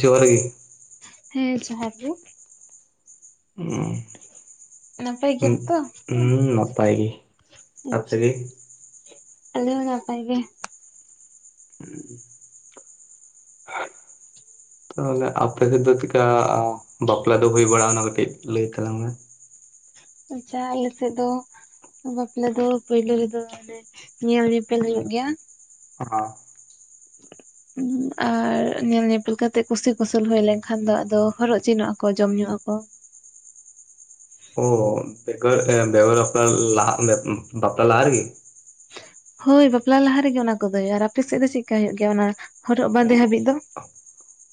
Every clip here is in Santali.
ᱡᱚᱦᱟᱨ ᱜᱮ᱾ ᱦᱮᱸ ᱡᱚᱦᱟᱨ ᱜᱮ ᱚᱸ ᱱᱟᱯᱟᱭ ᱜᱮᱭᱟᱢ ᱛᱚ ᱦᱩᱸ ᱱᱟᱯᱟᱭ ᱜᱮ ᱟᱯᱮ ᱟᱪᱷᱟ ᱜᱮ ᱟᱞᱮ ᱦᱚᱸ ᱱᱟᱯᱟᱭ ᱜᱮ ᱦᱮᱸ [unintelligible] ᱛᱟᱦᱚᱞᱮ ᱟᱯᱮ ᱥᱮᱫ ᱫᱚ ᱪᱮᱠᱟ ᱵᱟᱯᱞᱟ ᱫᱚ ᱦᱩᱭ ᱵᱟᱲᱟᱣᱱᱟ ᱠᱟᱹᱴᱤᱡ ᱞᱟᱹᱭ ᱛᱟᱞᱟᱝ ᱢᱮ ᱪᱟ ᱟᱞᱮ ᱥᱮᱫ ᱫᱚ ᱵᱟᱯᱞᱟ ᱫᱚ ᱯᱳᱭᱞᱳ ᱨᱮᱫᱚ ᱚᱱᱮ ᱧᱮᱞ ᱧᱮᱯᱮᱞ ᱦᱩᱭᱩᱜ ᱜᱮᱭᱟ᱾ ᱦᱚᱸ [unintelligible] ᱟᱨ ᱧᱮᱞ ᱧᱮᱯᱮᱞ ᱠᱟᱛᱮᱜ ᱠᱩᱥᱤ ᱠᱩᱥᱟᱹᱞ ᱦᱩᱭ ᱞᱮᱱᱠᱷᱟᱱ ᱫᱚ ᱟᱫᱚ ᱦᱚᱨᱚᱜ ᱪᱤᱱᱚᱜᱼᱟᱠᱚ ᱡᱚᱢ ᱧᱩᱜ ᱟᱠᱚ ᱚ ᱵᱮᱜᱚᱨ ᱵᱮᱜᱚᱨ ᱵᱟᱞᱟ ᱞ [unintelligible] ᱵᱟᱯᱞᱟ ᱞᱟᱦᱟ ᱨᱮᱜᱤ ᱦᱳᱭ ᱵᱟᱯᱞᱟ ᱞᱟᱦᱟ ᱨᱮᱜᱮ ᱚᱱᱟ ᱠᱚᱫᱚ ᱦᱩᱭᱩᱜᱼᱟ ᱟᱨ ᱟᱯᱮ ᱥᱮᱫ ᱫᱚ ᱪᱮᱠᱟ ᱦᱩᱭᱩᱜ ᱜᱮᱭᱟ ᱚᱱᱟ ᱦᱚᱨᱚᱜ ᱵᱟᱸᱫᱮ ᱦᱟᱹᱵᱤᱡ ᱫᱚ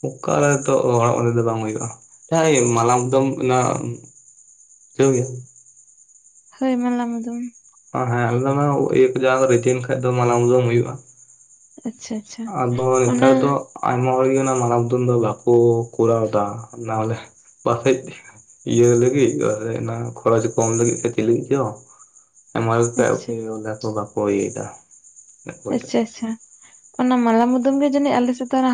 ᱚᱠᱟᱞᱮ ᱛᱚ ᱚᱲᱟᱜ ᱵᱟᱸᱫᱮ ᱫᱚ ᱵᱟᱝ ᱦᱩᱭᱩᱜᱼᱟ [unintelligible] ᱦ ᱢᱟᱞᱟᱠᱫᱚᱢ ᱚᱱᱟᱣ ᱜᱮᱭᱟ [unintelligible] ᱦᱳᱭ ᱢᱟᱞᱟ ᱢᱩᱫᱚᱢ ᱦᱮᱸ ᱟᱞᱮ ᱤᱭᱟᱹ ᱠᱚ ᱡ ᱨᱤᱫᱤᱭᱮᱱ ᱠᱷᱟᱡ ᱫᱚ ᱢᱟᱞᱟ ᱢᱩᱫᱚᱢ ᱦᱩᱭᱩᱜᱼᱟ [unintelligible] ᱟᱪᱪᱷᱟ ᱟᱪᱪᱷᱟ ᱚᱱᱟ ᱟᱫᱚ ᱟᱭᱢᱟ ᱦᱚᱲ ᱜᱮ ᱚᱱᱟ ᱢᱟᱞᱟ ᱢᱩᱫᱟᱹᱢ ᱫᱚ ᱵᱟᱠᱚ ᱠᱚᱨᱟᱣᱫᱟ ᱱᱟᱚᱞᱮ ᱵᱟᱮᱡ [unintelligible] ᱤᱭᱟᱹ ᱞᱟᱹᱜᱤᱫ ᱚᱱᱟ ᱠᱷᱚᱨᱚᱪ ᱠᱚᱢ ᱞᱟᱹᱜᱤᱫ ᱪᱚ ᱪᱮᱫ ᱞᱟᱹᱜᱤᱫ ᱪᱚ ᱟᱪᱪᱷᱟ [unintelligible] ᱚᱠᱚᱭ ᱫᱚ ᱟᱪᱷᱟ ᱟᱪᱷᱟ ᱚᱱᱟ ᱢᱟᱞᱟ ᱢᱩᱫᱩᱢ ᱜᱮ ᱡᱟᱹᱱᱤᱡ ᱟᱞᱮ ᱥᱮᱫ ᱫᱚ ᱚᱱᱟ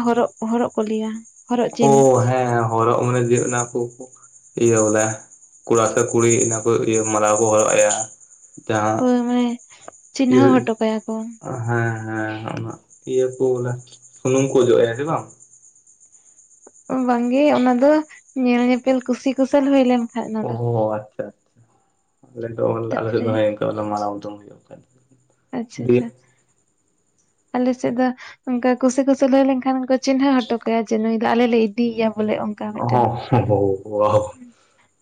ᱦᱚᱨᱚᱜ ᱠᱚ ᱞᱟᱹᱭᱟ ᱦᱚᱨᱚᱜ ᱚ ᱪᱤᱱ ᱦᱮᱸ ᱦᱮᱸ ᱦᱚᱨᱚᱜ ᱢᱟᱱᱮ ᱡᱮ ᱚᱱᱟ ᱠᱚ ᱠᱚ ᱤᱭᱟᱹ ᱵᱚᱞᱮ ᱠᱚᱲᱟ ᱥᱮ ᱠᱩᱲᱤ ᱤᱱᱟᱹ ᱠᱚ ᱤᱭᱟᱹ ᱢᱟᱞᱟ ᱠᱚ ᱦᱚᱨᱚᱜ ᱮᱭᱟ ᱡᱟᱦᱟᱸ ᱦᱳᱭ ᱢᱟᱱᱮ ᱪᱤᱱᱦᱟᱹᱣ ᱦᱚᱴᱚ ᱠᱟᱭᱟ ᱠᱚ [unintelligible] ᱦᱮᱸ ᱦᱮᱸ ᱚᱱᱟ ᱤᱭᱟᱹ ᱠᱚ ᱵᱚᱞᱮ ᱥᱩᱱᱩᱢ ᱠᱚ ᱚᱡᱚᱜ ᱮᱭᱟ ᱵᱟᱝ ᱵᱟᱝᱜᱮ ᱚᱱᱟ ᱫᱚ ᱧᱮᱞ ᱧᱮᱯᱮᱞ ᱠᱩᱥᱤ ᱠᱩᱥᱟᱞ ᱦᱩᱭ ᱞᱮᱱ ᱚ ᱟᱪᱪᱷᱟ ᱟᱪᱷᱟ ᱟᱞᱮ ᱫᱚ ᱟᱞᱮ ᱛᱟᱯᱚᱨᱮ ᱫᱚᱸ ᱠᱟᱹᱞ ᱢᱟᱲᱟᱝ ᱩᱫᱢ ᱦᱩᱭᱩᱜ ᱠᱟᱱ [unintelligible] ᱟᱪᱪᱷᱟ ᱟᱪᱪᱷᱟ ᱟᱞᱮᱥᱮᱫ ᱫᱚ ᱚᱱᱠᱟ ᱠᱩᱥᱤ ᱠᱩᱥᱤ ᱦᱩᱭ ᱞᱮᱱᱠᱷᱟᱱ ᱪᱤᱱᱦᱟᱹ ᱦᱚᱴᱚ ᱠᱟᱭᱟ ᱱᱩᱭ ᱫᱚ ᱟᱞᱮ ᱞᱮ ᱤᱫᱤᱭᱮᱭᱟ ᱵᱚᱞᱮ ᱚᱱᱠᱟ ᱢᱤᱫᱴᱮᱱ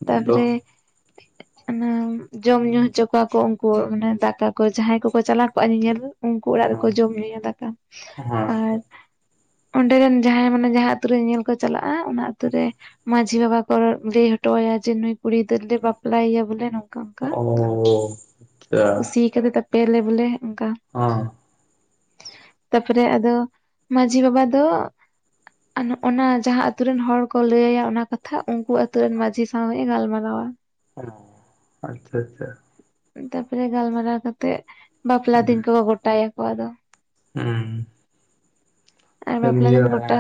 ᱛᱟᱯᱚᱨᱮ ᱚᱱᱟ ᱡᱚᱢ ᱧᱩ ᱦᱚᱪᱚ ᱠᱚᱣᱟ ᱠᱚ ᱩᱱᱠᱩ ᱢᱟᱱᱮ ᱫᱟᱠᱟ ᱠᱚ ᱡᱟᱦᱟᱸᱭ ᱠᱚᱠᱚ ᱪᱟᱞᱟᱣ ᱠᱚᱜᱼᱟ ᱧᱮᱧᱮᱞ ᱩᱱᱠᱩ ᱚᱲᱟᱜ ᱡᱚᱢ ᱧᱩᱭᱟ ᱫᱟᱠᱟ ᱟᱨ ᱚᱸᱰᱮᱨᱮᱱ ᱡᱟᱦᱟᱸᱭ ᱢᱟᱱᱮ ᱡᱟᱦᱟᱸ ᱟᱛᱩ ᱨᱮ ᱧᱮᱞ ᱠᱚ ᱪᱟᱞᱟᱜᱼᱟ ᱚᱱᱟ ᱟᱛᱩ ᱨᱮ ᱢᱟ ᱢᱟᱹᱡᱷᱤ ᱵᱟᱵᱟ ᱠᱚ ᱞᱟᱹᱭ ᱦᱚᱴᱚᱭᱟ ᱡᱮ ᱱᱩᱭ ᱠᱩᱲᱤ ᱫᱚᱞᱮ ᱵᱟᱯᱞᱟᱭᱭᱟ ᱵᱚᱞᱮ ᱠᱟᱠᱟ ᱠᱩᱥᱤ ᱠᱟᱫᱮ ᱛᱟᱯᱮᱭᱟᱞᱮ ᱵᱚᱞᱮ ᱚᱱᱠᱟ ᱚ ᱛᱟᱯᱚᱨᱮ ᱟᱫᱚ ᱢᱟᱺᱡᱷᱤ ᱵᱟᱵᱟ ᱫᱚ ᱚᱱᱟ ᱡᱟᱦᱟᱸ ᱟᱛᱩ ᱨᱮᱱ ᱦᱚᱲ ᱠᱚ ᱞᱟᱹᱭ ᱟᱭᱟ ᱚᱱᱟ ᱠᱟᱛᱷᱟ ᱩᱱᱠᱩ ᱟᱛᱩ ᱨᱮᱱ ᱢᱟᱡᱷᱤ ᱥᱭ ᱜᱟᱞ ᱢᱟᱨᱟᱣᱟ [unintelligible] ᱚ ᱟᱪᱪᱷᱟ ᱟᱪᱪᱷᱟ ᱛᱟᱯᱚᱨᱮ ᱜᱟᱞᱢᱟᱨᱟᱣ ᱠᱟᱛᱮᱜ ᱵᱟᱯᱞᱟ ᱫᱤᱱ ᱠᱚ ᱜᱚᱴᱟᱭᱟᱠᱚ ᱟᱫᱚ ᱦᱩᱸ ᱟᱨ ᱦᱮᱸ ᱵᱟᱯᱞᱟ ᱱᱯ ᱫᱤᱱ ᱜᱚᱴᱟ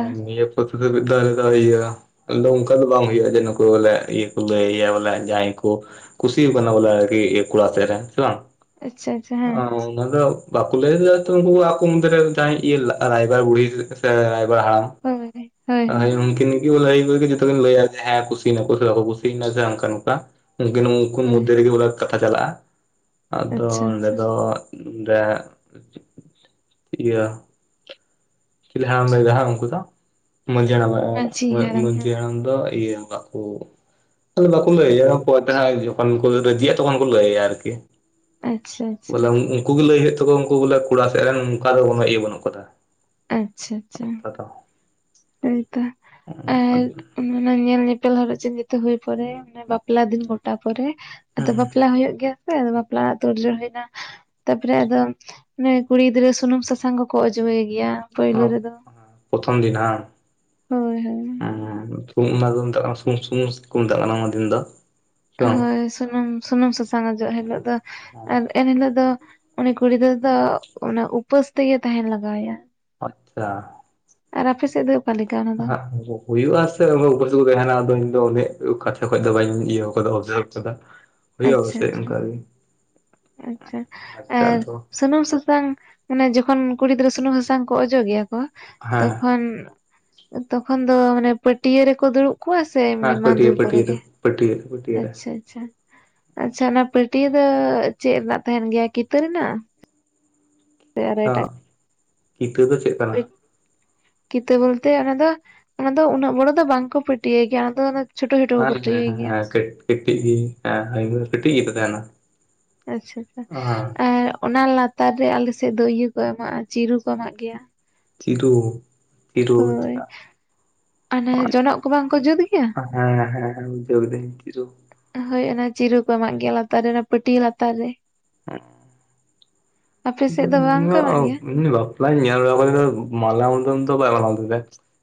ᱫᱟᱨ ᱫᱚ ᱟᱭ [unintelligible] ᱟᱫᱚ ᱚᱱᱠᱟ ᱫᱚ ᱵᱟᱝ ᱦᱩᱭᱩᱜᱼᱟ ᱡᱮ ᱱᱩᱠᱩ ᱵᱚᱞᱮ ᱤᱭᱟᱹ ᱠᱚ ᱞᱟᱹᱭᱭᱟ ᱵᱚᱞᱮ ᱡᱟᱦᱟᱸᱭ ᱠᱚ ᱠᱷᱩᱥᱤ ᱠᱟᱱᱟ ᱵᱚᱞᱮ ᱠᱚᱲᱟ ᱛᱮᱜ ᱨᱮᱱ ᱟᱪᱪᱷᱟ ᱟᱪᱪᱷᱟ ᱦᱮᱸ ᱫᱚ ᱵᱟᱠᱩ ᱞᱮᱭᱞᱮᱜ-ᱟ ᱛᱚ ᱩᱱᱠᱩ ᱟᱠ ᱢᱩᱫ ᱨᱮ ᱨᱟᱭᱵᱟᱨ ᱵᱩᱲᱦᱤᱭᱮ [unintelligible] ᱥᱮ ᱨᱟᱭᱵᱟᱨ ᱦᱳᱭ ᱦᱳᱭ ᱦᱟᱬᱟᱢ ᱩᱱᱠᱤᱱ [unintelligible] ᱮ ᱡᱚᱛ ᱠᱤᱱ [unintelligible] ᱞᱟᱹᱭᱟ ᱡᱮ ᱦᱮᱸ ᱠᱩᱥᱤᱤᱭᱱᱟ ᱥᱮ ᱵᱟᱠᱚ ᱠᱩᱥᱤᱭᱮᱱᱟ ᱥᱮ ᱚᱱᱠᱟ ᱱᱚᱝᱠᱟ ᱩᱱᱠᱤᱱ ᱩᱱ ᱦᱳᱭ ᱢᱚᱫᱽᱫᱷᱮ ᱨᱮᱜᱮ ᱵᱚᱞᱮ ᱠᱟᱛᱷᱟ ᱪᱟᱞᱟᱜᱼᱟ ᱟᱫᱚ ᱟᱪᱪᱷᱟ ᱚᱸᱰᱮ ᱟᱪᱪᱷᱟ ᱫᱚ ᱚᱸᱰᱮ ᱤᱭᱟᱹ ᱪᱤᱞᱤ ᱦᱟᱲᱟᱢ ᱞᱟᱹᱭᱮᱫᱟ ᱦᱟᱸᱜ ᱩᱱᱠᱩ ᱫᱚ ᱢᱟᱺᱡᱷᱤ ᱦᱟᱲᱟᱢ ᱢᱟᱺᱡᱷᱤ ᱢᱟᱺᱡᱷᱤ ᱦᱮᱸ ᱦᱟᱲᱟᱢ ᱫᱚ ᱤᱭᱟᱹ [unintelligible] ᱵᱟᱠᱚ ᱞᱟᱹᱭᱟ ᱚᱠᱚᱭᱴᱟᱜ ᱦᱚᱸ ᱡᱚᱠᱷᱚᱱ ᱠᱚ ᱨᱟᱹᱡᱤᱼᱟ ᱛᱚᱠᱷᱚᱱ ᱠᱚ ᱞᱟᱹᱭᱟ ᱟᱨᱠᱤ ᱟᱪᱪᱷᱟ ᱟᱪᱪᱷᱟ ᱵᱚᱞᱮ ᱩᱱᱠᱩ ᱜᱮ ᱞᱟᱹᱭ ᱦᱩᱭᱩᱜ ᱛᱟᱠᱚᱣᱟ ᱩᱱᱠᱩ ᱵᱚᱞᱮ ᱠᱚᱲᱟ ᱥᱮᱫ ᱨᱮᱱ ᱚᱱᱠᱟ ᱫᱚ ᱵᱚᱞᱮ ᱤᱭᱟᱹ ᱵᱟᱹᱱᱩᱜ ᱠᱟᱫᱟ ᱟᱪᱪᱷᱟ ᱟᱪᱪᱷᱟ [unintelligible] ᱦᱚᱭᱛᱳ ᱚ ᱟᱪᱪᱷᱟ ᱢᱟᱱᱮ ᱧᱮᱞ ᱱᱤᱯᱮᱞ ᱦᱚᱨᱚᱜ ᱪᱤᱱ ᱡᱷᱚᱛᱚ ᱦᱩᱭ ᱯᱚᱨᱮ ᱢᱟᱱᱮ ᱵᱟᱯᱞᱟ ᱫᱤᱱ ᱜᱚᱴᱟ ᱯᱚᱨᱮ ᱟᱫᱚ ᱵᱟᱯᱞᱟ ᱦᱩᱭᱩᱜ ᱜᱮᱭᱟ ᱥᱮ ᱟ ᱵᱟᱯᱞᱟ ᱨᱮᱱᱟᱜ ᱛᱩᱨᱡᱳ ᱦᱩᱭᱱᱟ ᱛᱟᱯᱚᱨᱮ ᱟᱫᱚ ᱮ ᱠᱩᱲᱤ ᱜᱤᱫᱽᱨᱟᱹ ᱥᱩᱱᱩᱢ ᱥᱟᱥᱟᱝ ᱠᱚᱠᱚ ᱚᱡᱚᱭᱮ ᱜᱮᱭᱟ ᱯᱳᱭᱞᱳ ᱨᱮᱫᱚ ᱯᱨᱚᱛᱷᱚᱢ ᱫᱤᱱ ᱦᱟᱸ ᱦᱳᱭ ᱦᱳᱭ ᱦᱮᱸ ᱚᱱᱟ ᱠᱚ ᱢᱮᱛᱟᱜ ᱠᱟᱱᱟ ᱥᱩ ᱥᱩᱢᱩ ᱠᱚ ᱢᱮᱛᱟᱜ ᱠᱟᱱᱟ ᱚᱱᱟ ᱫᱤᱱ ᱫᱚ ᱥᱮ ᱵᱟᱝ? ᱦᱳᱭ ᱥᱩᱱᱩᱢ ᱥᱩᱱᱩᱢ ᱥᱟᱥᱟᱝ ᱚᱡᱚᱜ ᱦᱤᱞᱳᱜ ᱫᱚ ᱟᱨ ᱮᱱᱦᱤᱞᱳᱜ ᱫᱚ ᱩᱱᱤ ᱠᱩᱲᱤ ᱜᱤᱫᱨᱟᱹ ᱫᱚ ᱩᱯᱟᱹᱥ ᱛᱮᱜᱮ ᱛᱟᱦᱮᱱ ᱞᱟᱜᱟᱣ ᱟᱭᱟ ᱟᱪᱪᱷᱟ ᱟᱨ ᱟᱯᱮ ᱥᱮᱫ ᱫᱚ ᱚᱠᱟ ᱞᱮᱠᱟ ᱚᱱᱟ ᱫᱚ ᱦᱮᱸ ᱦᱩᱭᱩᱜᱼᱟ ᱟᱥᱮ ᱩᱯᱟᱹᱥ ᱠᱚ ᱛᱟᱦᱮᱱᱟ ᱟᱫᱚ ᱤᱧ ᱫᱚ ᱩᱱᱟᱹᱜ ᱠᱟᱛᱷᱟ ᱠᱷᱚᱡ ᱫᱚ ᱵᱟᱹᱧ ᱤᱭᱟᱹ ᱠᱟᱫᱟ ᱚᱵᱡᱟᱨᱵᱷ ᱠᱟᱫᱟ ᱦᱩᱭᱩᱜᱼᱟ ᱟᱪᱪᱷᱟ ᱯᱟᱥᱮᱡ ᱟᱪᱪᱷᱟ ᱚᱱᱠᱟᱜᱮ ᱟᱪᱪᱷᱟ ᱟᱨ ᱥᱩᱱᱩᱢ ᱥᱟᱥᱟᱝ ᱢᱟᱱᱮ ᱡᱚᱠᱷᱚᱱ ᱠᱩᱲᱤ ᱜᱤᱫᱽᱨᱟᱹ ᱥᱩᱱᱩᱢ ᱥᱟᱥᱟᱝ ᱠᱚ ᱚᱡᱚᱜ ᱜᱮᱭᱟ ᱠᱚ ᱦᱮᱸ ᱛᱚᱠᱷᱚᱱ ᱫᱚ ᱢᱟᱱᱮ ᱯᱟᱹᱴᱭᱟ. ᱨᱮᱠᱚ ᱫᱩᱲᱩᱵ ᱠᱚᱣᱟ ᱥᱮ ᱥᱮ ᱦᱮᱸ ᱮᱢᱤ ᱢᱟ ᱯᱟᱹᱴᱭᱟᱹ ᱫᱩᱨ ᱠᱚᱨᱮ ᱯᱟᱹᱴᱭᱟᱹ ᱨᱮ ᱜᱮ ᱯᱟᱹᱴᱭᱟᱹ ᱯᱟᱹᱴᱭᱟᱹ ᱨᱮ ᱟᱪᱪᱷᱟ ᱟᱪᱪᱷᱟ ᱟᱪᱪᱷᱟ ᱚᱱᱟ ᱯᱟᱹᱴᱭᱟᱹ ᱫᱚ ᱪᱮᱫ ᱨᱮᱱᱟᱜ ᱛᱟᱦᱮᱱ ᱜᱮᱭᱟ ᱠᱤᱛᱟᱹ ᱨᱮᱱᱟᱜ ᱥᱮ ᱦᱚ ᱠᱤᱛᱟᱹ ᱫᱚ ᱪᱮᱫ ᱠᱟᱱᱟ? ᱢᱤᱫ ᱠᱤᱛᱟᱹ ᱵᱚᱞᱛᱮ ᱚᱱᱟ ᱫᱚ ᱚᱱᱟ ᱫᱚ ᱩᱱᱟᱹᱜ ᱵᱚᱲᱚ ᱫᱚ ᱵᱟᱝᱠᱚ ᱯᱟᱹᱴᱭᱟᱹᱭ ᱜᱮᱭᱟ ᱚᱱᱟ ᱫᱚ ᱪᱷᱳᱴᱳ ᱪᱷᱳᱴᱳ ᱠᱚ ᱦᱮᱸ ᱦᱮᱸ ᱯᱟᱹᱴᱤᱭᱟᱭ ᱜᱮᱭᱟ ᱦᱮᱸ ᱠᱟᱹᱴᱤᱡ ᱠᱚ ᱜᱮ ᱛᱚ ᱛᱟᱦᱮᱱᱟ ᱟᱪᱪᱷᱟ ᱟᱪᱪᱷᱟ ᱦᱮᱸ ᱟᱨ ᱚᱱᱟ ᱞᱟᱛᱟᱨ ᱨᱮ ᱟᱞᱮᱥᱮᱫ ᱫᱚ ᱤᱭᱟᱹ ᱠᱚ ᱮᱢᱟᱜᱼᱟ ᱪᱤᱨᱩ ᱠᱚ ᱮᱢᱟᱜ ᱜᱮᱭᱟ ᱪᱤᱨᱩ ᱪᱤᱨᱩ ᱟ ᱦᱳᱭ ᱚᱱᱮ ᱡᱚᱱᱚᱜ ᱠᱚ ᱵᱟᱝᱠᱚ ᱡᱩᱛ ᱜᱮᱭᱟ? [unintelligible] ᱦᱮᱸ ᱦᱮᱸ ᱵᱩᱡᱷᱟᱹᱣ ᱠᱮᱫᱟᱹᱧ ᱵᱩᱡᱷᱟᱹᱣ [unintelligible] ᱦᱳᱭ ᱚᱱᱟ ᱪᱤᱨᱩ ᱠᱚ ᱮᱢᱟᱜ ᱜᱮᱭᱟ ᱞᱟᱛᱟᱨ ᱨᱮ ᱚᱱᱟ ᱯᱟᱹᱴᱭᱟᱹ ᱞᱟᱛᱟᱨ ᱨᱮ [unintelligible] ᱟᱯᱮ ᱥᱮᱫ ᱫᱚ ᱵᱟᱝᱠᱚ ᱮᱢᱟᱜ ᱜᱮᱭᱟ? ᱵᱟᱯᱞᱟ [unintelligible]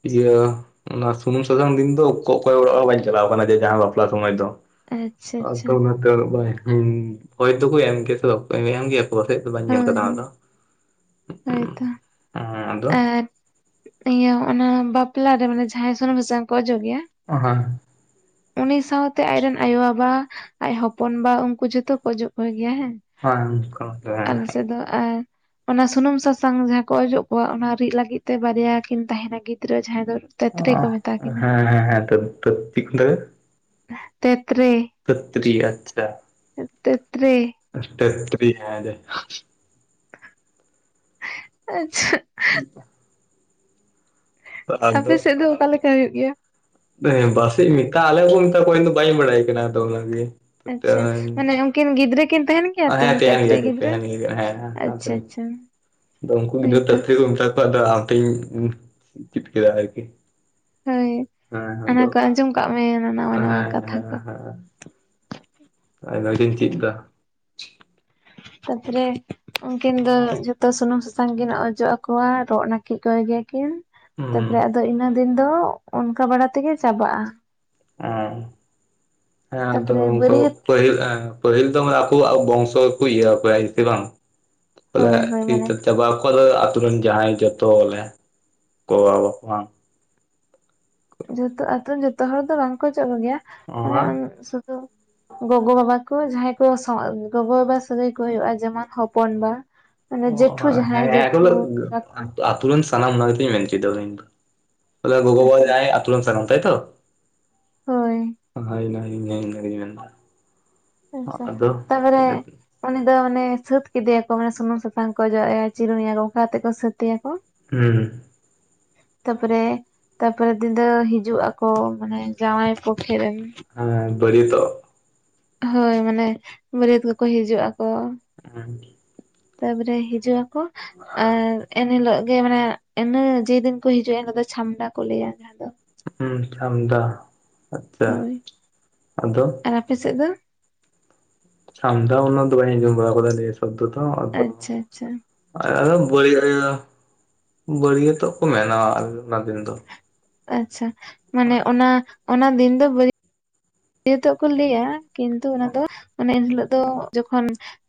ᱤᱭᱟᱹ ᱚᱱᱟ ᱥᱩᱱᱩᱢ ᱥᱟᱥᱟᱝ ᱫᱤᱱ ᱫᱚ ᱚᱠᱚᱭ ᱚᱲᱟᱜ ᱦᱚᱸ ᱵᱟᱹᱧ ᱪᱟᱞᱟᱣ ᱟᱠᱟᱱᱟ ᱡᱮ ᱡᱟᱦᱟᱸᱭ ᱵᱟᱯᱞᱟ ᱥᱚᱢᱚᱭ ᱫᱚ ᱟᱪᱪᱷᱟ [unintelligible] ᱟᱪᱪᱷᱟ ᱵᱟᱸᱧ ᱧᱮᱞ ᱦᱳᱭ ᱦᱳᱭ ᱟᱠᱟᱫᱟ ᱫᱚ ᱦᱳᱭᱛᱚ ᱟᱫᱚ ᱟᱨ ᱤᱭᱟᱹ ᱚᱱᱟ ᱵᱟᱯᱞᱟ ᱨᱮ ᱢᱟᱱᱮ ᱡᱟᱦᱟᱸᱭ ᱥᱩᱱᱩᱢ ᱥᱟᱥᱟᱝ ᱠᱚ ᱚᱡᱚᱜ ᱜᱮᱭᱟ ᱚ ᱦ [unintelligible] ᱩᱱᱤ ᱥᱟᱶᱛᱮ ᱟᱡ ᱨᱮᱱ ᱟᱭᱳ ᱵᱟᱵᱟ ᱟᱡ ᱦᱚᱯᱚᱱ ᱵᱟ ᱩᱱᱠᱩ ᱡᱷᱚᱛᱚ ᱠᱚ ᱚᱡᱚᱜ ᱠᱚ ᱜᱮᱭᱟ ᱦᱮᱸ ᱦᱮᱸ ᱟᱞᱮ ᱥᱮᱫ ᱫᱚ ᱟᱨ ᱚᱱᱟ ᱥᱩᱱᱩᱢ ᱥᱟᱥᱟᱝ ᱡᱟᱦᱟᱸ ᱠᱚ ᱚᱡᱚᱜ ᱠᱚᱣᱟ ᱚᱱᱟ ᱨᱤᱫ ᱞᱟᱹᱜᱤᱫ ᱛᱮ ᱵᱟᱨᱭᱟ ᱠᱤᱱ ᱛᱟᱦᱮᱱᱟ ᱜᱤᱫᱽᱨᱟᱹ ᱡᱟᱦᱟᱸᱭ ᱫᱚ ᱚ ᱛᱮᱛᱨᱮ ᱠᱚ ᱢᱮᱛᱟ ᱠᱤᱱᱟ ᱦᱮᱸ ᱦᱮᱸ ᱦᱮᱸᱤᱠ ᱛᱮ [unintelligible] ᱛᱮᱛ ᱨᱮ ᱛᱷᱟᱹᱛ ᱛᱤᱨᱤ ᱟᱪᱪᱷᱟ ᱛᱮᱛ ᱛᱤᱨᱤ [unintelligible] ᱟᱪᱪᱷᱟ ᱦ [unintelligible] ᱟᱯᱮ ᱥᱮᱫ ᱫᱚ ᱚᱠᱟ ᱞᱮᱠᱟ ᱦᱩᱭᱩᱜ ᱜᱮᱭᱟ? ᱦᱮ ᱵᱟᱥᱮᱧ ᱢᱮᱛᱟᱜ ᱟᱞᱮ ᱠᱚ ᱢᱮᱭ ᱫᱚ ᱵᱟᱧ ᱵᱟᱲᱟᱭ ᱠᱟᱱᱟ ᱟᱫᱚ ᱚᱱᱟᱜᱮ ᱤᱱ ᱜᱤᱫᱽᱨᱟᱹ ᱠᱤᱱ ᱛᱟᱦᱮᱱ ᱜᱮᱭᱟ ᱛᱚ ᱦᱮᱸ ᱯᱮᱦᱟᱱ ᱜᱮ ᱛᱮᱛᱨᱮ ᱜᱤᱫᱽᱨᱟᱹ ᱛᱟᱦᱮᱱ ᱜᱮᱭᱟ ᱠᱱᱤ ᱦᱮᱸ ᱟᱪᱪᱷᱟ ᱟᱪᱪᱷᱟ ᱟᱫᱚ ᱩᱱᱠᱩ ᱜᱤᱫᱽᱨᱟᱹ ᱦᱳᱭᱛᱚ ᱛᱟᱛᱷᱮ ᱛᱟᱛᱷᱮ ᱢᱮᱛᱟ ᱠᱚᱣᱟ ᱟᱫᱚ ᱟᱢ ᱴᱷᱮᱱ ᱤᱧ ᱪᱮᱫ ᱠᱮᱫᱟ ᱟᱨᱠᱤ ᱦᱳᱭ ᱦᱮᱸ ᱚᱱᱟ ᱟᱫᱚ ᱠᱚ ᱟᱸᱡᱚᱢ ᱠᱟᱜ ᱢᱮ ᱱᱟᱣᱟ ᱱᱟᱣᱟ ᱦᱮᱸ ᱠᱟᱛᱷᱟ ᱦᱮᱸ ᱠᱚ ᱦᱮᱸ ᱟᱭᱢᱟ ᱜᱮᱧ ᱪᱮᱫ ᱮᱫᱟ [unintelligible] ᱛᱟᱯᱚᱨᱮ ᱩᱱᱠᱤᱱ ᱫᱚ ᱡᱷᱚᱛᱚ ᱥᱩᱱᱩᱢ ᱥᱟᱥᱟᱝ ᱠᱤᱱ ᱚᱡᱚᱜ ᱟᱠᱚᱣᱟ ᱨᱚᱜ ᱱᱟᱹᱠᱤᱡ ᱠᱚ ᱜᱮᱭᱟᱠᱤᱱ ᱛᱟᱯᱚᱨᱮ ᱦᱩᱸ ᱟᱫᱚ ᱤᱱᱟᱹ ᱫᱤᱱ ᱫᱚ ᱚᱱᱠᱟ ᱵᱟᱲᱟ ᱛᱮᱜᱮ ᱪᱟᱵᱟᱜ-ᱟ᱾ ᱚ ᱦᱮᱸ ᱟᱫᱚ ᱛᱟᱯᱚᱨᱮ ᱩᱱᱠᱩ ᱵᱟᱹᱨᱭᱟᱹᱛ ᱯᱟᱹᱦᱤᱞ ᱮᱸ ᱯᱟᱹᱦᱤᱞ ᱫᱚ ᱟᱠᱚᱣᱟᱜ ᱵᱚᱝᱥᱚ ᱠᱚ ᱤᱭᱟᱹ ᱟᱠᱚᱣᱟ ᱦᱮᱥᱮ ᱵᱟᱝ ᱦᱳᱭ [unintelligible] ᱦᱳᱭ ᱢᱟᱱᱮ [unintelligible] ᱟᱛᱳ ᱨᱮᱱ ᱡᱟᱦᱟᱸᱭ ᱡᱚᱛᱚᱞᱮ ᱜᱚᱵᱟᱵᱟ ᱡᱚᱛᱚ ᱟᱛᱳ ᱨᱮᱱ ᱡᱚᱛᱚ ᱦᱚᱲ ᱫᱚ ᱵᱟᱝᱠᱚ ᱪᱮᱫ ᱠᱚᱜᱮᱭᱟ ᱢᱟᱱᱮ ᱥᱩᱫᱷᱩ ᱜᱚᱜᱚ ᱵᱟᱵᱟ ᱠᱚ ᱡᱟᱦᱟᱸᱭ ᱠᱚ ᱜᱚᱜᱚ ᱵᱟᱵᱟ ᱥᱟᱹᱜᱟᱹᱭ ᱠᱚ ᱦᱩᱭᱩᱜ-ᱟ ᱡᱮᱢᱚᱱ ᱦᱚᱯᱚᱱ ᱵᱟ᱾ ᱢᱟᱱᱮ ᱚ ᱡᱮᱴᱷᱩ ᱡᱟᱦᱟᱸᱭ ᱦᱮᱸ ᱡᱮᱴᱷᱩ ᱛᱟᱠᱚ [unintelligible] ᱟᱛᱳ ᱨᱮᱱ ᱥᱟᱱᱟᱢ ᱚᱱᱟ ᱜᱮ ᱠᱟᱛᱮᱧ ᱢᱮᱱ ᱦᱚᱪᱚᱭᱟᱧ ᱫᱚ ᱟᱛᱩ ᱜᱚᱜᱚ ᱟᱪᱪᱷᱟ ᱵᱟᱵᱟ ᱟᱛᱳ ᱨᱮᱱ ᱥᱟᱱᱟᱢ ᱛᱟᱭᱛᱚ ᱦᱳᱭ [unintelligible] ᱟᱪᱪᱷᱟ ᱟᱫᱚ ᱛᱟᱯᱚᱨᱮ ᱩᱱᱤ ᱫᱚ ᱢᱟᱱᱮ ᱥᱟᱹᱛ ᱠᱮᱫᱮᱭᱟᱠᱚ ᱢᱟᱱᱮ ᱥᱩᱱᱩᱢ ᱥᱟᱥᱟᱝ ᱠᱚ ᱚᱡᱚᱜ ᱮᱭᱟ ᱪᱤᱨᱩᱱ ᱮᱭᱟ ᱠᱚ ᱚᱱᱠᱟ ᱠᱟᱛᱮ ᱠᱚ ᱥᱟᱹᱛᱮᱭᱟᱠᱚ ᱦᱩᱸ ᱮᱸ [inaudible] ᱛᱟᱯᱚᱨᱮ ᱛᱟᱯᱚᱨᱮ ᱧᱤᱫᱟᱹ ᱦᱤᱡᱩᱜ ᱟᱠᱚ ᱢᱟᱱᱮ ᱡᱟᱶᱟᱭᱠᱚ ᱠᱷᱢ ᱦᱮᱸ ᱵᱟᱹᱨᱤᱭᱟᱹ ᱛᱚᱜ ᱦᱚᱭ ᱢᱟᱱᱮ ᱵᱟᱹᱨᱭᱟᱹᱛ ᱠᱚᱠᱚ ᱦᱤᱡᱩᱜ ᱟᱠᱚ ᱦᱮ ᱛᱟᱯᱚᱨᱮ ᱦᱤᱡᱩᱜ ᱟᱠᱚ ᱟᱨ ᱮᱱ ᱦᱤᱞᱳᱜ ᱜᱮ ᱢᱟᱱᱮ ᱤᱱᱟᱹ ᱡᱮᱫᱤᱱ ᱠᱚ ᱦᱤᱡᱩᱜ-ᱟ ᱚᱱᱟ ᱫᱚ ᱪᱷᱟᱢᱰᱟ ᱠᱚ ᱞᱟᱹᱭᱟ ᱡᱟᱦᱟᱸ ᱫᱚ ᱦᱩᱸ ᱪᱷᱟᱢ ᱰᱟ ᱦᱳᱭ ᱟᱨ ᱟᱯᱮ ᱥᱮᱫ ᱫᱚ ᱥᱟᱢᱰᱟᱣ ᱚᱱᱟᱱᱟ ᱫᱚ ᱵᱟᱧ ᱟᱡᱚᱢ ᱵᱟᱲᱟ ᱠᱚᱫᱟ ᱱᱤᱭᱮ ᱥᱚᱵᱫᱚ ᱫᱚ ᱟᱨ ᱟᱪᱪᱷᱟ ᱟᱪᱪᱷᱟ ᱵᱟᱹᱲ ᱵᱟᱹᱨᱭᱟᱹᱛᱚᱜ ᱠᱚ ᱢᱮᱱᱟᱣᱟ ᱟᱨ ᱚᱱᱟ ᱫᱤᱱ ᱫᱚ ᱟᱪᱪᱷᱟ ᱢᱟᱱᱮ ᱚᱱᱟ ᱚᱱᱟ ᱫᱤᱱ ᱫᱚ ᱡᱮᱦᱮ ᱛᱚᱜ ᱠᱚ ᱞᱟᱹᱭᱟ ᱠᱤᱱᱛᱩ ᱚᱱᱟ ᱫᱚ ᱚᱱᱟ ᱮᱱᱦᱤᱞᱚᱜ ᱫᱚ ᱡᱚᱠᱷᱚᱱ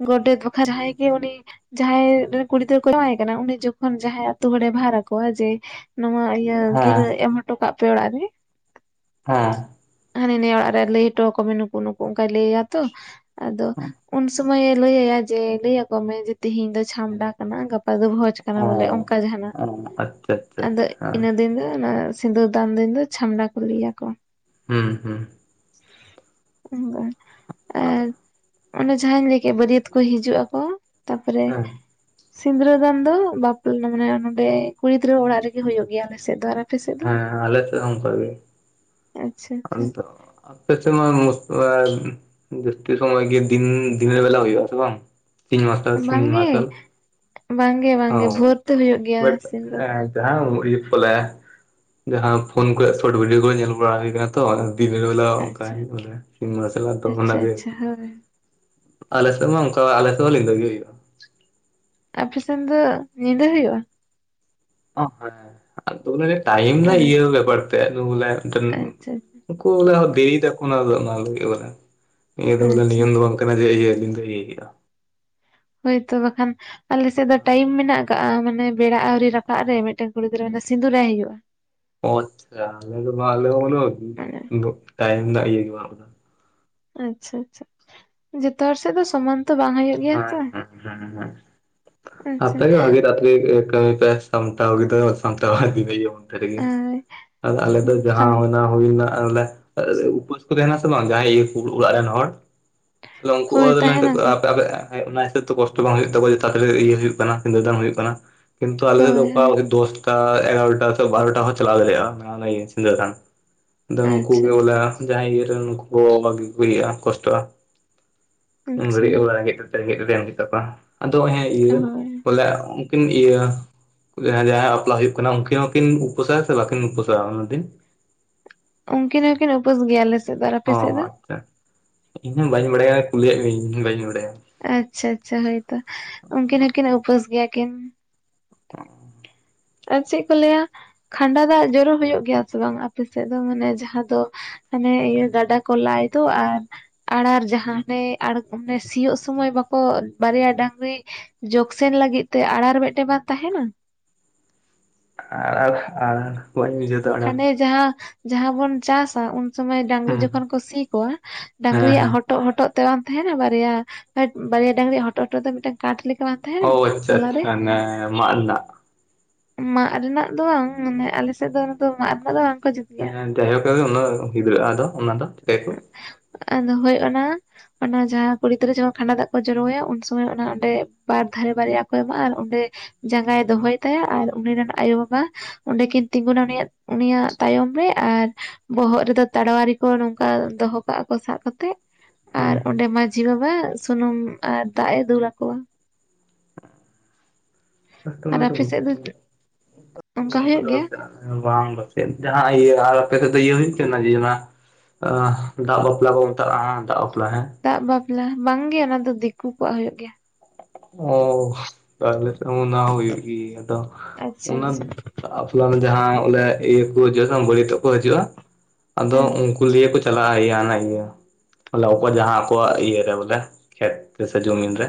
ᱜᱚᱰᱮᱛ ᱵᱟᱠᱷᱟᱱ ᱡᱟᱦᱟᱭ ᱜᱮ ᱩᱱᱤ ᱡᱟᱦᱟᱸᱭ ᱨᱤᱱ ᱠᱩᱲᱤ ᱜᱤᱫᱽᱟᱹ ᱠᱚ ᱡᱟᱶᱟᱭ ᱠᱟᱱᱟ ᱩᱱᱤ ᱡᱚᱠᱷᱚᱱ ᱡᱟᱦᱟᱸᱭ ᱟ ᱟᱹᱛᱩ ᱦᱚᱲᱮ ᱵᱷᱟᱨ ᱟᱠᱚᱣᱟ ᱡᱮ ᱱᱚᱣᱟ ᱤᱭᱟᱹ ᱦᱮᱸ ᱜᱤᱨᱟᱹ ᱮᱢ ᱦᱚᱴᱚ ᱠᱟᱜ ᱯᱮ ᱚᱲᱟᱜ ᱨᱮ ᱦᱮᱸ ᱦᱟᱱᱤ ᱱᱤᱭᱟᱹ ᱚᱲᱟᱜ ᱨᱮ ᱞᱟᱹᱭ ᱦᱚᱴᱚ ᱟᱠᱚ ᱢᱮ ᱱᱩᱠᱩ ᱱᱩᱠᱩ ᱚᱱᱠᱟᱭ ᱞᱟᱹᱭᱟ ᱛᱚ ᱟᱫᱚ ᱩᱱ ᱥᱚᱢᱟᱭᱮ ᱞᱟᱹᱭᱟᱭᱟ ᱡᱮ ᱞᱟᱹᱭ ᱟᱠᱚ ᱢᱮ ᱡᱮ ᱛᱤᱦᱤᱧ ᱫᱚ ᱪᱷᱟᱢᱰᱟ ᱠᱟᱱᱟ ᱜᱟᱯᱟ ᱵᱷᱚᱡᱽ ᱠᱟᱱᱟ ᱚ ᱵᱚᱞᱮ ᱚᱱᱠᱟ ᱡᱟᱦᱟᱱᱟᱜ ᱟᱪᱪᱷᱟ ᱟᱪᱪᱷᱟ ᱟᱫᱚ ᱟᱪᱪᱷᱟ ᱤᱱᱟᱹ ᱫᱤᱱ ᱫᱚ ᱚᱱᱟ ᱥᱤᱸᱱᱫᱩᱨ ᱫᱟᱱ ᱫᱤᱱ ᱫᱚ ᱪᱷᱟᱢᱰᱟ ᱠᱚ ᱞᱟᱹᱭᱟᱠᱚ ᱦᱮᱸ ᱦᱮᱸ ᱟᱨ ᱚᱱᱮ ᱡᱟᱦᱟᱸᱧ ᱞᱟᱹᱭ ᱠᱮᱫ ᱵᱟᱹᱨᱭᱟᱹᱛ ᱠᱚ ᱦᱤᱡᱩᱜ ᱟᱠᱚ ᱛᱟᱯᱚᱨᱮ᱾ ᱦᱮᱸ ᱥᱤᱸᱫᱽᱨᱟᱹ ᱫᱟᱱ ᱫᱚ ᱵᱟᱯᱞᱟ ᱢᱟᱱᱮ ᱱᱚᱸᱰᱮ ᱠᱩᱲᱤ ᱜᱤᱫᱽᱟᱹ ᱚᱲᱟᱜ ᱨᱮᱜᱮ ᱦᱩᱭᱩᱜ ᱜᱮᱭᱟ ᱟᱞᱮ ᱥᱮᱫ ᱫᱚ ᱟᱨ᱾ ᱟᱯᱮ ᱥᱮᱫ ᱫᱚ ᱦᱮᱸ ᱟᱞᱮ ᱥᱮᱫ ᱦᱚ ᱚᱱᱠᱟᱜ ᱜᱮ ᱟᱪᱪᱷᱟ ᱟᱪᱪᱷᱟ ᱟᱫᱚ᱾ ᱟᱯᱮ ᱥᱮᱢᱟ ᱡᱚᱹᱥᱛᱤ ᱥᱚᱢᱚᱭ ᱜᱮ ᱫᱤᱱ ᱫᱤᱱᱮᱨ ᱵᱮᱞᱟ ᱦᱩᱭᱩᱜ ᱟ ᱥᱮ ᱵᱟᱝ᱾ ᱛᱤᱱ ᱢᱟᱨᱥᱟᱞ ᱥᱤᱧ ᱵᱟᱝᱜᱮ ᱢᱟᱨᱥᱟᱞ ᱵᱟᱝᱜᱮ ᱵᱟᱝᱜᱮ ᱚ ᱵᱷᱚᱨ ᱛᱮ ᱦᱩᱭᱩᱜ ᱜᱮᱭᱟ ᱵᱟᱴ ᱥᱤᱱᱫᱨᱟᱹ ᱫᱟᱱ ᱮᱸ ᱡᱟᱦᱟᱸ ᱯᱷᱚᱞᱮ ᱡᱟᱦᱟᱸ ᱯᱷᱚᱱ ᱠᱚᱨᱮ ᱥᱚᱴ ᱵᱷᱤᱰᱭᱚ ᱠᱚᱨᱮ ᱧᱮᱞ ᱵᱟᱲᱟ ᱦᱩᱭ ᱟᱠᱟᱱᱟ ᱛᱚ ᱫᱤᱵ ᱵᱞᱟ ᱚᱱᱠᱟ ᱟᱪᱪᱷᱟ ᱵᱮ ᱥᱤᱱᱢᱟ ᱥᱮᱞᱟ ᱫᱚ ᱚᱱᱟ ᱟᱪᱪᱷᱟ ᱜᱮ ᱟᱪᱪᱷᱟ ᱦᱳᱭ ᱟᱞᱮᱥᱮᱫ ᱢᱟ ᱚᱱᱠᱟ ᱟᱞᱮᱥᱮᱫ ᱢᱟ ᱧᱤᱫᱟᱹ ᱜᱮ ᱦᱩᱭᱩᱜ-ᱟ ᱟᱯᱮ ᱥᱮᱱ ᱫᱚ ᱧᱤᱫᱟᱹ ᱦᱩᱭᱩᱜ-ᱟ ᱚ ᱦᱮᱸ ᱴᱟᱭᱤᱢ ᱤᱭᱟᱹ ᱵᱮᱯᱟᱨ ᱛᱮ ᱵᱚᱞ ᱟᱪᱪᱷᱟ ᱠᱩ ᱵᱚᱞᱮ ᱵᱮᱨᱤ ᱫᱱᱟ ᱤᱭᱟᱹ ᱫᱚ ᱵᱚᱞᱮ ᱟᱪᱪᱷᱟ ᱱᱤᱭ ᱵᱟᱝ ᱡᱮ ᱤᱞᱭᱟᱹ ᱦᱚᱭᱛᱚ ᱵᱟᱠᱷᱟᱱ ᱟᱞᱮᱥᱮᱫ ᱫᱚ ᱴᱟᱭᱤᱢ ᱢᱮᱱᱟᱜ ᱟᱠᱟᱜ-ᱟ ᱢᱟᱱᱮ ᱵᱮᱲᱟ ᱟᱹᱣᱨᱤ ᱨᱟᱠᱟᱵ ᱨᱮ ᱢᱤᱫᱴᱮᱱ ᱠᱩᱲᱤ ᱜᱤᱫᱽᱟᱹᱟᱱᱮ ᱥᱤᱸᱫᱩᱨ ᱟᱭ ᱦᱩᱭᱩᱜ-ᱟ ᱟᱪ ᱪᱷᱟ ᱟᱞᱮ ᱫᱚᱞᱮ ᱢᱟᱱᱮ ᱴᱟᱭᱤᱢ ᱜᱮ ᱟᱪ ᱪᱷᱟ ᱟᱪ ᱪᱷᱟ ᱡᱚᱛᱚ ᱦᱚᱲ ᱥᱮᱫ ᱫᱚ‌ ᱥᱚᱢᱟᱱ ᱛᱚ ᱵᱟᱝ ᱦᱩᱭᱩᱜ ᱜᱮᱭᱟ ᱦᱮᱸ ᱛᱚ ᱦᱮᱸ ᱦᱮᱸ ᱦᱮᱸ ᱟᱪᱪᱷᱟ ᱟᱯᱮ ᱜᱮ ᱵᱷᱟᱹᱜᱮ [unintelligible] ᱠᱟᱹᱢᱤ ᱯᱮ ᱥᱚᱢᱛᱟ ᱫᱚ ᱥᱛᱟ ᱵᱟ ᱵᱚᱱ ᱛ ᱨᱮᱜᱮ ᱟᱨ [unintelligible] ᱟᱨ ᱟᱞᱮ ᱫᱚ ᱡᱟᱦᱟᱸ ᱦᱳᱭ ᱚᱱᱟ᱾ ᱦᱩᱭ ᱨᱮᱱᱟᱜᱮ [unintelligible] ᱩᱯᱟᱹᱥ ᱠᱚ ᱛᱟᱦᱮᱱᱟ ᱥᱮ ᱵᱟᱝ ᱡᱟᱦᱟᱸᱭ ᱤᱭᱟᱹ ᱠᱚ ᱚᱲᱟᱜ ᱨᱤᱱ ᱦᱚᱲ᱾ ᱟᱞ ᱠᱚ ᱛᱟᱦᱮᱱᱟᱠᱚ [unintelligible] [unintelligible] ᱚᱱᱟ ᱦᱤᱥᱟᱹᱵ ᱛᱮ ᱠᱚᱥᱴᱚ ᱵᱟᱝ ᱦᱩᱭᱩᱜ ᱛᱟᱠᱚᱣᱟ ᱡᱟᱛᱮ ᱤᱭᱟᱹ ᱦᱩᱭᱩᱜ ᱠᱟᱱᱟ ᱥᱤᱱᱫᱩᱨ ᱫᱟᱱ ᱦᱩᱭᱩᱜ ᱠᱟᱱᱟ᱾ ᱠᱤᱱᱛᱩ ᱟᱞᱮ ᱥᱮᱫ ᱫᱚ ᱦᱳᱭ ᱦᱳᱭ ᱚᱠᱟ [unintelligible] ᱫᱚᱥ ᱮᱜᱟᱨᱚᱴᱟ ᱥᱮ ᱵᱟᱨᱚᱴᱟ ᱦᱚᱸ ᱪᱟᱞᱟᱣ ᱫᱟᱲᱮᱭᱟᱜᱼᱟ ᱥᱤᱸᱫᱟᱹᱨ ᱫᱟᱱ ᱟᱫᱚ ᱱᱩᱠᱩᱜ ᱟᱪᱪᱷᱟ ᱜᱮ ᱵᱚᱞᱮ᱾ ᱡᱟᱦᱟᱸᱭ ᱤᱭᱟᱹ ᱨᱮ ᱩᱱᱩᱠᱩ ᱠᱚ ᱵᱷᱟᱜᱤ ᱠᱚ ᱤᱭᱟᱹᱜᱼᱟ ᱠᱚᱥᱴᱚᱜᱼᱟ ᱩᱱ ᱟᱪᱪᱷᱟ ᱜᱷᱟᱹᱲᱤᱡ ᱚᱵᱟᱨᱮ ᱨᱮᱸᱜᱮᱫ ᱨᱮᱸᱜᱮᱡ ᱮᱢ ᱜᱮᱛᱟ ᱠᱚᱣᱟ ᱟᱫᱚ ᱦᱮᱸ ᱤᱭᱟᱹ ᱦᱳᱭ ᱵᱚᱞᱮ ᱩᱱᱠᱤᱱ ᱤᱭᱟᱹ [unintelligible] ᱡᱟᱦᱟᱸᱭ ᱡᱟᱦᱟᱸᱭᱟᱜ ᱵᱟᱯᱞᱟ ᱦᱩᱭᱩᱜ ᱠᱟᱱᱟ ᱩᱱᱠᱤᱱ ᱦᱚᱸᱠᱤᱱ ᱩᱯᱟᱹᱥᱟ ᱥᱮ ᱵᱟᱠᱤᱱ ᱩᱯᱟᱹᱥᱟ ᱚᱱᱟ ᱫᱤᱱ ᱩᱱᱠᱤᱱ ᱦᱚᱸᱠᱤᱱ ᱩᱯᱟᱹᱥ ᱜᱮᱭᱟ ᱟᱞᱮᱥᱮᱫ ᱚ ᱟᱪᱪᱷᱟ ᱤᱧᱦᱚᱸ ᱵᱟᱹᱧ ᱵᱟᱲᱟᱭᱟ ᱠᱩᱞᱤᱭᱮᱫ ᱢᱮᱭᱟᱹᱧ ᱤᱧᱦᱚᱸ ᱵᱟᱹᱧ ᱵᱟᱲᱟᱭᱟ ᱟᱪᱪᱷᱟ ᱟᱪᱪᱷᱟ ᱦᱳᱭᱛᱚ ᱩᱱᱠᱤᱱ ᱦᱚᱸᱠᱤᱱ ᱩᱯᱟᱹᱥ ᱜᱮᱭᱟ ᱠᱤᱱ [inaudible] ᱟᱨ ᱪᱮᱫ ᱠᱚ ᱞᱟᱹᱭᱟ ᱠᱷᱟᱸᱰᱟ ᱫᱟᱜ ᱡᱚᱨᱚ ᱦᱩᱭᱩᱜ ᱜᱮᱭᱟ ᱥᱮ ᱵᱟᱝ ᱟᱯᱮ ᱥᱮᱫ ᱫᱚ ᱢᱟᱱᱮ ᱡᱟᱦᱟᱸ ᱫᱚ᱾ ᱢᱟᱱᱮ ᱤᱭᱟᱹ ᱜᱟᱰᱟ ᱠᱚ ᱞᱟᱭ ᱫᱚ ᱟᱨ᱾ ᱟᱬᱟᱨ ᱡᱟᱦᱟᱸᱛᱮ ᱟᱲᱜᱚᱢᱮ ᱥᱤᱭᱩᱜ ᱥᱚᱢᱚᱭ ᱵᱟᱠᱚ ᱵᱟᱨᱭᱟ ᱰᱟᱝᱜᱨᱤ᱾ ᱡᱚᱜ ᱥᱮᱱ ᱞᱟᱹᱜᱤᱫ ᱛᱮ ᱟᱲᱟᱨ ᱢᱤᱫᱴᱮᱱ ᱵᱟᱝ ᱛᱟᱦᱮᱱᱟ᱾ ᱟᱲᱟᱨ ᱟᱲᱟᱨ ᱵᱟᱹᱧ ᱵᱩᱡᱦᱟᱹᱣ ᱦᱟᱱᱮ ᱡᱟᱦᱟᱸ ᱡᱟᱦᱟᱸ ᱵᱚᱱ ᱪᱟᱥᱟ᱾ ᱥᱚᱢᱚᱭ ᱰᱟᱝᱜᱨᱤ ᱦᱩᱸ ᱡᱚᱠᱷᱚᱱ ᱠᱚ ᱥᱤ ᱠᱚᱣᱟ ᱦᱮᱸ ᱰᱟᱝᱜᱨᱤᱭᱟᱜ ᱦᱚ᱾ ᱦᱮᱸ ᱦᱚᱴᱚᱜ ᱦᱚᱴᱚᱜ ᱛᱮ ᱵᱟᱝ ᱛᱟᱦᱮᱱᱟ ᱵᱟᱨᱭᱟ ᱵᱟᱨᱭᱟ ᱰᱟᱺᱝᱨᱤᱭᱟᱜ ᱦᱚᱴᱚᱜ ᱦᱚᱴᱚᱜ ᱛᱮ ᱢᱤᱫᱴᱟᱝ ᱠᱟᱴ ᱞᱮᱠᱟ ᱵᱟᱝ ᱛᱟᱦᱮᱸᱱᱟ ᱳ ᱟᱪᱪᱷᱟ ᱟᱪᱪᱷᱟ ᱚᱱᱮ ᱢᱟᱫᱽ ᱨᱮᱱᱟᱜ ᱢᱟᱫᱽ ᱨᱮᱱᱟᱜ ᱫᱚ ᱵᱟᱝ ᱢᱟᱱᱮ ᱟᱞᱮᱥᱮᱫ ᱫᱚ ᱚᱱᱟ ᱫᱚ ᱢᱟᱫᱽ ᱨᱮᱱᱟᱜ ᱫᱚ ᱵᱟᱝᱠᱚ ᱡᱩᱫᱟ ᱦᱮᱸ ᱡᱟᱭᱦᱳᱠ ᱜᱮ ᱩᱱᱟᱹᱜ ᱦᱤᱫᱽᱨᱟᱹᱜᱼᱟ ᱟᱫᱚ ᱚᱱᱟ ᱫᱚ ᱪᱤᱠᱟᱹ ᱠᱚ [unintelligible] ᱟᱫᱚ ᱦᱳᱭ ᱚᱱᱟ ᱚᱱᱟ ᱡᱟᱦᱟᱸ ᱠᱩᱲᱤ ᱜᱤᱫᱽᱨᱟᱹ ᱡᱚᱠᱷᱚᱱ ᱠᱷᱟᱸᱰᱟ ᱫᱟᱜ ᱠᱚ ᱡᱚᱨᱚᱟᱭᱟ ᱩᱱ ᱥᱚᱢᱚᱭ ᱚᱱᱟ ᱚᱸᱰᱮ ᱵᱟᱨ ᱫᱷᱟᱨᱮ ᱵᱟᱨᱤᱭᱟᱜ ᱠᱚ ᱮᱢᱟ ᱟᱨ ᱚᱸᱰᱮ ᱡᱟᱸᱜᱟᱭ ᱫᱚᱦᱚᱭ ᱛᱟᱭᱟ ᱟᱨ ᱩᱱᱤ ᱨᱮᱱ ᱟᱭᱳᱵᱟᱵᱟ ᱚᱸᱰᱮᱠᱤᱱ ᱛᱤᱸᱜᱩᱱᱟ ᱩᱱᱤᱭᱟᱜ ᱩᱱᱤᱭᱟᱜ ᱛᱟᱭᱚᱢ ᱨᱮ ᱟᱨ ᱵᱚᱦᱚᱜ ᱨᱮᱫᱚ ᱛᱟᱲᱣᱟᱨᱤ ᱠᱚ ᱚᱱᱠᱟ ᱫᱚᱦᱚ ᱠᱟᱜᱼᱟ ᱠᱚ ᱥᱟᱵ ᱠᱟᱛᱮᱜ ᱦᱮᱸ ᱟᱨ ᱚᱸᱰᱮ ᱢᱟ ᱢᱟᱹᱡᱷᱤ ᱵᱟᱵᱟ ᱥᱩᱱᱩᱢ ᱟᱨ ᱫᱟᱜ ᱮ ᱫᱩᱩᱞ ᱟᱠᱚᱣᱟ ᱟᱛᱚ ᱟᱨ ᱚᱱᱟ ᱛᱚ ᱟᱯᱮ ᱥᱮᱫ ᱫᱚ ᱜ ᱠᱚ ᱚᱱᱠᱟ ᱦᱩᱭᱩᱜ ᱜᱮᱭᱟ [unintelligible] ᱵᱟᱝ ᱵᱟᱯᱮᱫ ᱡᱟᱦᱟᱸ ᱤᱭᱟᱹ ᱟᱨ ᱟᱯᱮ ᱥᱮᱫ ᱫᱚ ᱤᱭᱟᱹ ᱦᱩᱭᱩᱜ ᱛᱮ ᱤᱭᱟᱹ ᱡᱮ ᱚᱱᱟ ᱟᱜ ᱫᱟᱜ ᱵᱟᱯᱞᱟ ᱠᱚ ᱢᱮᱛᱟᱜ ᱫᱟᱜ ᱵᱟᱯᱞᱟ ᱫᱟᱜ ᱵᱟᱯᱞᱟ ᱵᱟᱝ ᱜᱮ ᱚᱱᱟ ᱫᱚ ᱫᱤᱠᱩ ᱠᱚᱣᱟᱜ ᱦᱩᱭᱩᱜ ᱜᱮᱭᱟ ᱚ ᱟᱞᱮ ᱥᱮᱫ ᱚᱱᱟ ᱦᱩᱭᱩᱜ ᱜᱮᱭᱟ ᱫᱚ ᱟᱪᱪᱷᱟ ᱚᱱᱟ ᱟᱪᱪᱷᱟ ᱛᱟᱨᱯᱚᱨᱮ ᱚᱱᱮ ᱡᱟᱦᱟ ᱚᱱᱰᱮ ᱤᱭᱟᱹ ᱠᱚ ᱡᱚᱠᱦᱚᱱ ᱵᱟᱹᱨᱤᱭᱟᱹᱛᱚᱜ ᱠᱚ ᱦᱤᱡᱩᱜᱼᱟ ᱟᱫᱚ ᱦᱮᱸ ᱩᱱᱠᱩ ᱩᱞᱤᱭᱟᱹ ᱠᱚ ᱪᱟᱞᱟᱜᱼᱟ ᱟᱱᱟ ᱼᱟ [unintelligible] ᱵᱚᱞᱮ ᱚᱠᱚᱭ ᱡᱟᱦᱟᱸ ᱟᱠᱚᱣᱟᱜ ᱤᱭᱟᱹᱨᱮ ᱵᱚᱞᱮ ᱠᱷᱮᱛ ᱨᱮ ᱥᱮ ᱡᱚᱢᱤᱱ ᱨᱮ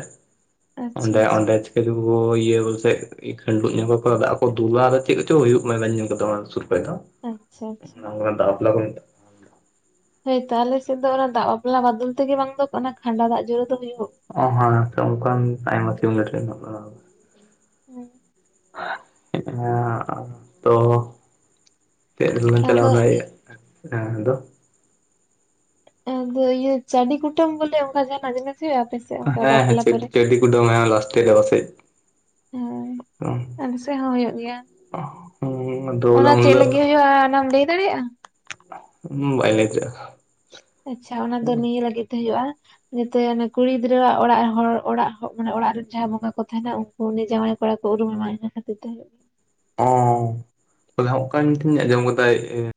ᱟᱪᱪᱷᱟ ᱚᱸᱰᱮ ᱟᱪᱪᱷᱟ ᱚᱸᱰᱮ᱾ ᱠᱷᱚ ᱤᱭᱟᱹ ᱵᱚᱞᱮ ᱠᱷᱟᱸᱰᱩᱜ ᱧᱚᱜ ᱠᱚ ᱫᱟᱜ ᱠᱚ ᱫᱩᱞᱟ ᱟᱫᱚ ᱪᱮᱫ ᱠᱚᱪᱚ ᱦᱩᱭᱩᱜ ᱵᱟᱧ ᱧᱮᱞ ᱠᱟᱫᱟ ᱥᱩᱨ ᱠᱷᱚᱨᱮ ᱫᱚ ᱟᱪᱪᱷᱟ ᱟᱪᱪᱷᱟ [unintelligible] ᱫᱟᱵᱞᱟ ᱠᱚ [unintelligible] ᱦᱳᱭᱛᱚ ᱟᱞᱮᱥᱮᱫ ᱫᱚ ᱚᱱᱟ ᱫᱟᱜ ᱵᱟᱯᱞᱟ ᱢᱟᱫᱽᱫᱷᱚᱢ ᱛᱮᱜᱮ ᱵᱟᱝ ᱫᱚ ᱚᱱᱟ ᱠᱷᱟᱸᱰᱟ ᱫᱟᱜ ᱡᱚᱨᱚ ᱫᱚ ᱦᱩᱭᱩᱜ᱾ ᱚ ᱦᱚᱸ ᱥᱚᱢᱠᱟ ᱴᱟᱭᱢ ᱴ [unintelligible] ᱦᱮᱸ ᱦᱮᱸ ᱛᱚ ᱪᱮᱫ ᱛᱮᱞᱟᱝ ᱪᱟᱞᱟᱣ ᱟᱫᱚ ᱱᱟᱭᱭᱟ [unintelligible] ᱦᱮᱸ ᱟᱫᱚ᱾ ᱟᱫᱚ ᱤᱭᱟᱹ ᱪᱟᱹᱰᱤ ᱠᱩᱴᱟᱹᱢ ᱵᱚᱞᱮ ᱚᱱᱠᱟ ᱡᱟᱦᱟᱱᱟᱜ ᱡᱤᱱᱤᱥ ᱦᱩᱭᱩᱜᱼᱟ ᱟᱯᱮ ᱥᱮ ᱦᱮᱸ ᱦᱮᱸ ᱪᱟᱰᱤ ᱠᱩᱴᱟᱢ ᱢᱟᱭ ᱦᱟᱜ ᱞᱟᱥᱴᱮ ᱪᱟᱵᱟᱜ ᱥᱮᱫ ᱦᱮᱸᱟᱞᱮ ᱥᱮᱫ ᱦᱚᱸ ᱦᱩᱭᱩᱜ ᱜᱮᱭᱟ ᱦᱮᱸ [unintelligible] ᱚᱱᱟ ᱪᱮᱫ ᱞᱟᱹᱜᱤᱫ ᱦᱩᱭᱩᱜᱼᱟ ᱚᱱᱟᱢ ᱞᱟᱹᱭ ᱫᱟᱲᱮᱭᱟᱜᱼᱟ ᱦᱩᱸ ᱵᱟᱭ ᱞᱟᱹᱭ ᱪᱟᱜᱟ ᱟᱪᱪᱷᱟ ᱚᱱᱟ ᱫᱚ ᱱᱤᱭᱟᱹ ᱞᱟᱹᱜᱤᱫ ᱛᱮ ᱦᱩᱭᱩᱜᱼᱟ᱾ ᱱᱤᱛᱟᱹᱭ ᱟᱱᱤ ᱠᱩᱲᱤ ᱜᱤᱫᱽᱨᱟᱹᱣᱟᱜ ᱚᱲᱟᱜ ᱦᱚᱲ ᱚᱲᱟᱜ ᱦᱚ ᱢᱟᱱᱮ ᱚᱲᱟᱜ ᱨᱮᱱ ᱡᱟᱦᱟᱸᱭ ᱵᱚᱸᱜᱟ ᱠᱚ ᱛᱟᱦᱮᱱᱟ, ᱩᱱ ᱩᱱᱤ ᱡᱟᱶᱟᱭ ᱠᱚᱲᱟ ᱠᱚ ᱩᱨᱩᱢᱮᱢᱟ, ᱤᱱᱟ ᱠᱷᱟᱹᱤᱨ ᱛᱮ ᱦᱩᱭᱩᱜ ᱚᱸ ᱛᱟᱦᱚᱞᱮ ᱚᱠᱟᱧ ᱜᱮᱛᱚᱧ ᱟᱸᱡᱚᱢ ᱠᱟᱫᱟᱭ ᱤᱭᱟᱹ